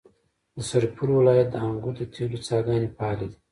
د سرپل ولایت د انګوت د تیلو څاګانې فعالې دي.